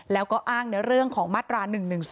แล้วก็อ้างในเรื่องของมาตรา๑๑๒